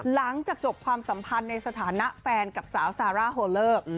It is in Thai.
หลังจากจบความสัมพันธ์ในสถานะแฟนกับสาวซาร่าโฮเลอร์